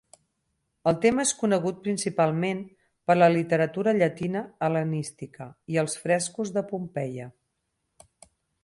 El tema és conegut principalment per la literatura llatina hel·lenística i els frescos de Pompeia.